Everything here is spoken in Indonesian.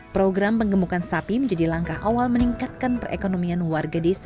program pengemukan sapi menjadi langkah awal meningkatkan perekonomian warga desa